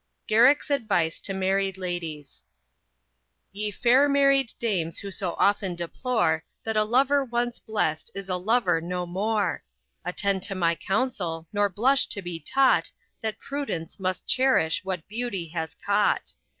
GARRICK'S ADVICE TO MARRIED LADIES. Ye fair married dames who so often deplore That a lover once blest is a lover no more; Attend to my counsel, nor blush to be taught That prudence must cherish what beauty has caught.